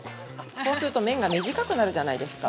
こうすると麺が短くなるじゃないですか。